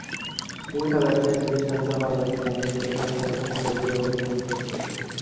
বিভিন্ন ব্যবসায়িক প্রতিষ্ঠানসহ বাংলাদেশের জনগোষ্ঠীর একটি অংশ এখনই ফোরজি ব্যবহারের জন্য প্রস্তুত।